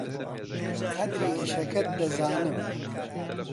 قەدری ئیشەکەت دەزانم.